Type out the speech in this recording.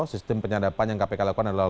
sistem penyadapan yang kpk lakukan adalah